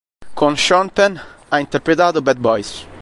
Con Sean Penn ha interpretato "Bad Boys".